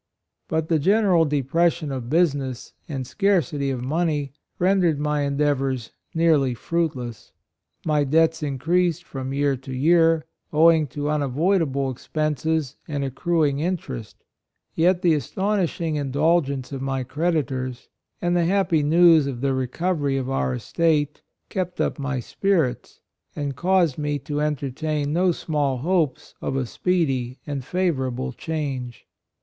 But the gene ral depression of business and. scarcity of money rendered my en deavors nearly fruitless. My debts increased from year to year, owing to unavoidable expenses and accru ing interest ; yet the astonishing indulgence of my creditors, and the happy news of the recovery of our estate, kept up my spirits, and caused me to entertain no small hopes of a speedy and favorable change.